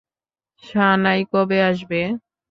সানাই কবে আসবে?